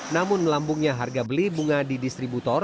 namun melambungnya harga beli bunga di distributor